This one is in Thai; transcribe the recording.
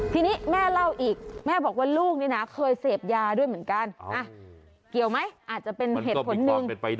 ทีนี้แม่เล่าอีกแม่บอกว่าลูกนี่นะเคยเสพยาด้วยเหมือนกันเกี่ยวไหมอาจจะเป็นเหตุผลหนึ่ง